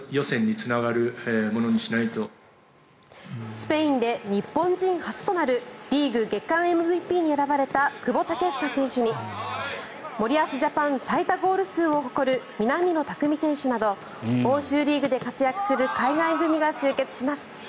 スペインで日本人初となるリーグ月間ＭＶＰに選ばれた久保建英選手に森保ジャパン最多ゴール数を誇る南野拓実選手など欧州リーグで活躍する海外組が集結します。